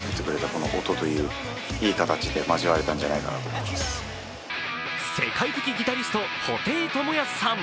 そして作曲は世界的ギタリスト・布袋寅泰さん